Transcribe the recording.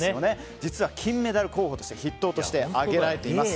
実は金メダル候補筆頭として挙げられています。